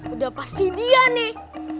udah pasti dia nih